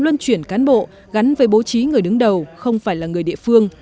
luân chuyển cán bộ gắn với bố trí người đứng đầu không phải là người địa phương